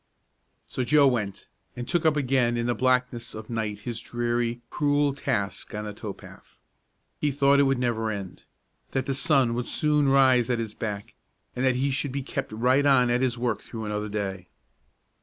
So Joe went, and took up again in the blackness of night his dreary, cruel task on the tow path. He thought it would never end; that the sun would soon rise at his back, and that he should be kept right on at his work through another day.